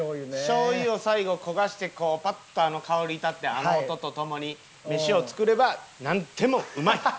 醤油を最後焦がしてパッとあの香り立ってあの音とともにメシを作ればなんでもうまい！